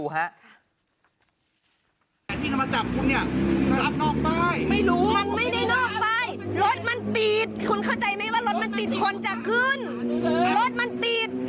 อย่างนี้มีคนขึ้นถือว่าไม่รับ